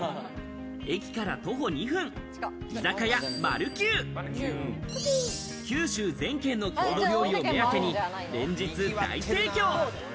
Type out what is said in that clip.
駅から徒歩２分、居酒屋マルキュウ九州全県の郷土料理を目当てに、連日大盛況。